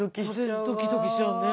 それドキドキしちゃうね。